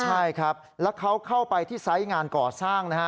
ใช่ครับแล้วเขาเข้าไปที่ไซส์งานก่อสร้างนะฮะ